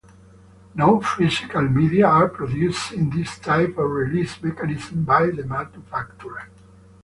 No physical media are produced in this type of release mechanism by the manufacturer.